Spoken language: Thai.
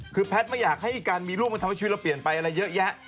คือแพทย์ไม่อยากให้การมีลูกมันทำให้ชีวิตเราเปลี่ยนไปอะไรเยอะแยะ